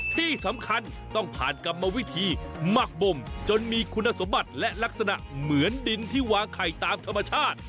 ที่สำคัญต้องผ่านกรรมวิธีหมักบมจนมีคุณสมบัติและลักษณะเหมือนดินที่วางไข่ตามธรรมชาติ